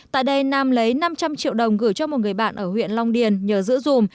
tại đây nam lấy năm trăm linh triệu đồng gửi cho một người bạn ở huyện long điền nhờ giữ dùm